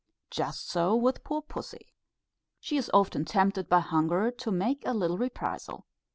Just so with poor pussy. She is often tempted by hunger to make a little reprisal.